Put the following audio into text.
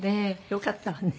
よかったわね。